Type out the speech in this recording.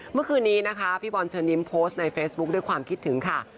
เมื่อคืนนี้นะคะพี่บอลเชิญยิ้มโพสต์ในเฟซบุ๊คด้วยความคิดถึงค่ะ